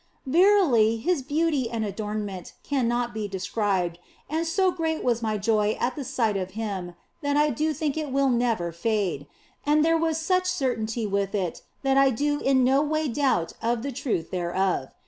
Verily, His beauty and adornment cannot be described, and so great was my joy at the sight of Him that I do think it will never fade, and there was such certainty with it that I do in no way doubt of the truth thereof.